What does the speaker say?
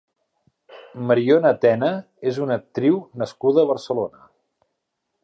Mariona Tena és una actriu nascuda a Barcelona.